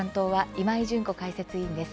今井純子解説委員の担当です。